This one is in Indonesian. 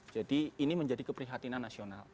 jadi ini menjadi keprihatinan nasional